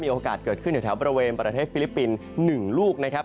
โอกาสเกิดขึ้นแถวบริเวณประเทศฟิลิปปินส์๑ลูกนะครับ